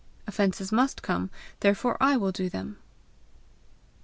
Offences must come, therefore I will do them!"